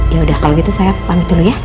yaudah kalo gitu saya pamit dulu ya